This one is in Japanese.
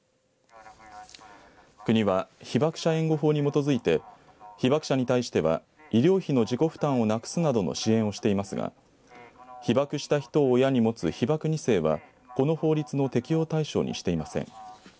国は被爆者援護法に基づいて被爆者に対しては医療費の自己負担をなくすなどの支援をしていますが被爆した人を親に持つ被爆２世は、この法律の適用対象にしていません。